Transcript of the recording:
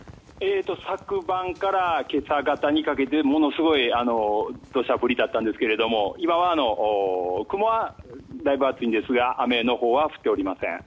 昨晩から今朝がたにかけてものすごい土砂降りだったんですけれども今は雲はだいぶ厚いんですが雨は降っておりません。